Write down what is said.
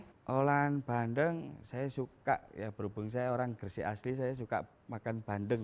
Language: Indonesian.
makan bandeng saya suka ya berhubung saya orang gersik asli saya suka makan bandeng